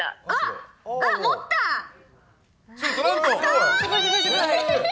かわいい。